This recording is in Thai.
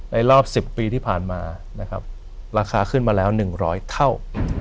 ในรอบสิบปีที่ผ่านมานะครับราคาขึ้นมาแล้วหนึ่งร้อยเท่า